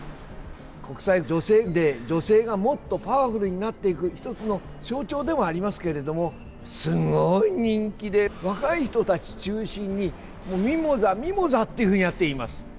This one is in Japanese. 国際女性デー、女性がもっとパワフルになっていく１つの象徴でもありますけどもすごい人気で、若い人たち中心にもう、ミモザミモザ！っていうふうにやっています。